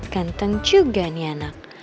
ganteng juga nih anak